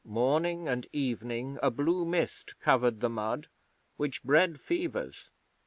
Morning and evening a blue mist covered the mud, which bred fevers.